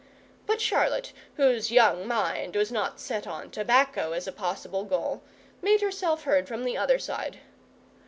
But Charlotte, whose young mind was not set on tobacco as a possible goal, made herself heard from the other side.